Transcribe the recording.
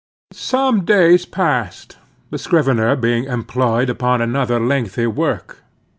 Some days passed, the scrivener being employed upon another lengthy work.